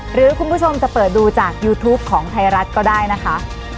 หรือคุณผู้ชมจะเปิดดูจากยูทูปของไทยรัฐก็ได้นะคะ